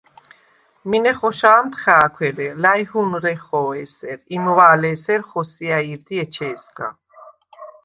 მინე ხოშა̄მდ ხა̄̈ქვ, ერე ლა̈ჲჰურნეხო ესერ, იმვა̄ლე ესერ ხოსია̈ჲ ირდი ეჩე̄სგა!